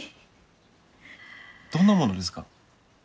どんなものですか？